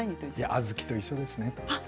小豆と一緒ですね。